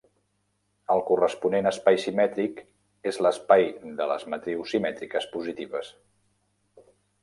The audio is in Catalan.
El corresponent espai simètric és l'espai de les matrius simètriques positives.